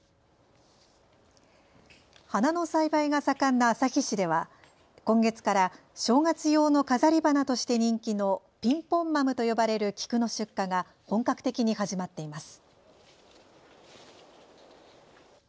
花の栽培が盛んな旭市では今月から正月用の飾り花として人気のピンポンマムと呼ばれる菊の出荷が本格的に始まっています。